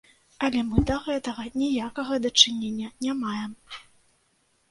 Але мы да гэтага ніякага дачынення не маем.